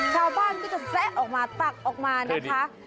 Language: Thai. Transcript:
ชาวบ้านก็จะแซะออกมาตักออกมานะคะ